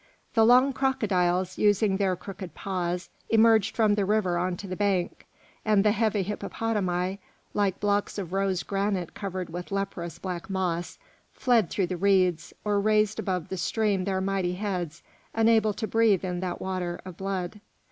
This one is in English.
The long crocodiles, using their crooked paws, emerged from the river on to the bank, and the heavy hippopotami, like blocks of rose granite covered with leprous, black moss, fled through the reeds, or raised above the stream their mighty heads, unable to breathe in that water of blood.